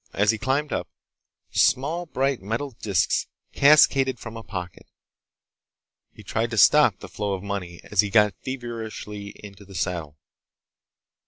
As he climbed up, small bright metal disks cascaded from a pocket. He tried to stop the flow of money as he got feverishly into the saddle.